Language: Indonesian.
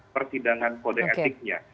pertindangan kode etiknya